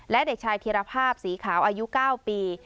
และเด็กชายธิรภาพสีขาวอายุ๙ปี